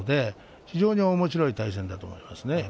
非常におもしろい対戦だと思います。